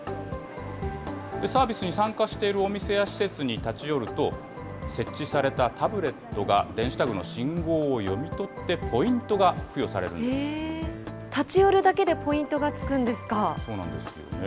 サービスに参加しているお店や施設に立ち寄ると、設置されたタブレットが電子タグの信号を読み取って、立ち寄るだけでポイントがつそうなんですよね。